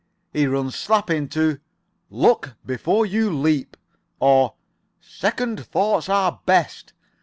he runs slap into 'Look before you leap,' or 'Second thoughts are best.'